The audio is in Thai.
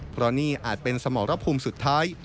เพราะนี่อาจเป็นสมรภูมิสุดท้าย